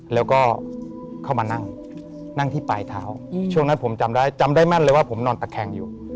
แล้วก็เข้ามานั่งนั่งที่ปลายเท้าช่วงนั้นผมจำได้จำได้แม่นเลยว่าผมนอนตะแคงอยู่